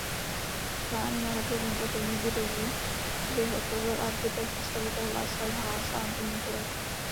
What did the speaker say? Plány na reprezentativní budovu vyhotovil architekt a stavitel Václav Haas a Antonín Turek.